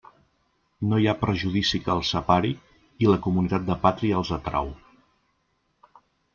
No hi ha prejudici que els separi, i la comunitat de pàtria els atrau.